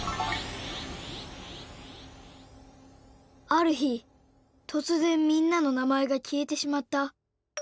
ある日とつぜんみんなの名前がきえてしまった。